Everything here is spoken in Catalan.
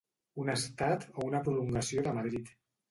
Un Estat o una prolongació de Madrid.